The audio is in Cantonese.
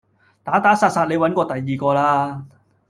打打殺殺你搵過第二個啦